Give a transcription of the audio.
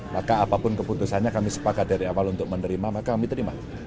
maka apapun keputusannya kami sepakat dari awal untuk menerima maka kami terima